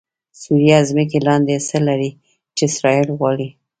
سوریه ځمکې لاندې څه لري چې اسرایل غواړي؟😱